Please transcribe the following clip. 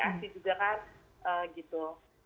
asli juga kan gitu